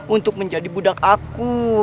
untuk menjadi budak aku